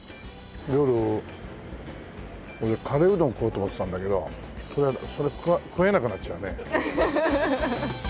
夜俺カレーうどん食おうと思ってたんだけどそれ食えなくなっちゃうね。